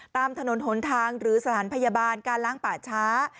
ตามถนนหนทางหรือสถานพยาบาลการล้างป่าช้า